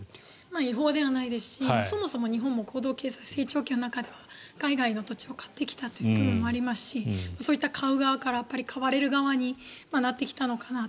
違法ではないですしそもそも日本も高度経済成長期の中では海外の土地を買ってきたという部分もありますしそういった買う側から買われる側になってきたのかなと。